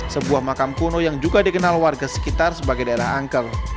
sebuah makam kuno yang juga dikenal warga sekitar sebagai daerah angker